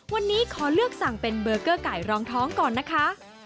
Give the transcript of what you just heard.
วันนี้ขอเลือกสั่งเป็นเบอร์เกอร์ไก่รองท้องก่อนนะคะ